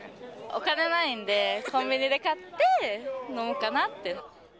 お金ないんで、コンビニで買って飲もうかなって。